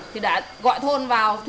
thì đã gọi thôn vào